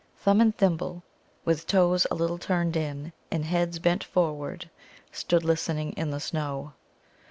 Thumb and Thimble, with toes a little turned in, and heads bent forward, stood listening in the snow.